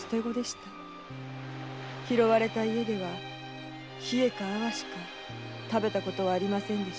拾われた家ではヒエかアワしか食べたことはありませんでした。